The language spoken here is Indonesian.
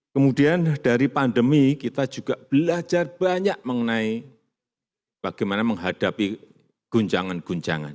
kemudian dari pandemi kita juga belajar banyak mengenai bagaimana menghadapi guncangan guncangan